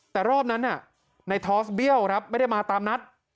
แต่รอบนั้นในทอสเบี้ยวครับไม่ได้มาตามนัด